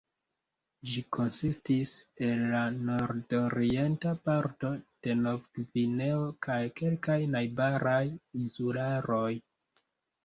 Ĝi konsistis el la nordorienta parto de Novgvineo kaj kelkaj najbaraj insularoj.